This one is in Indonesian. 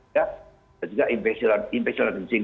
bisa juga infeksi lancar kencing